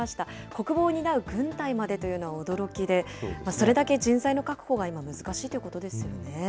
国防を担う軍隊までというのは驚きで、それだけ人材の確保が今、難しいということですよね。